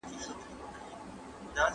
زیاته ګټه اخیستل ښه کار نه دی.